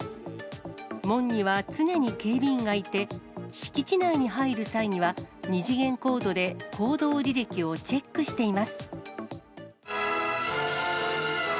門には常に警備員がいて、敷地内に入る際には、２次元コードで行動履歴をチェックしています。